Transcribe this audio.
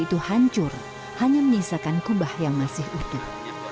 itu hancur hanya menyisakan kubah yang masih utuh